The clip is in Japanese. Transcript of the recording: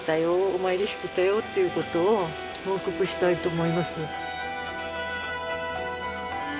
お参りしてきたよということを報告したいと思います。